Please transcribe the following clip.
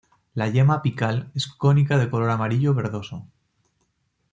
La yema apical es cónica de color amarillo verdoso.